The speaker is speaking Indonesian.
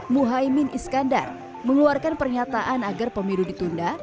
muhaymin iskandar mengeluarkan pernyataan agar pemilu ditunda